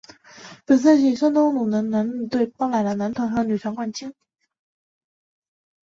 本赛季山东鲁能男女队包揽了男团和女团冠军。